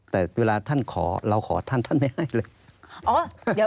แต่เวลาท่านขอเราขอท่านท่านไม่ให้เลย